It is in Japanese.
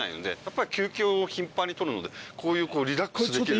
こういうリラックスできる。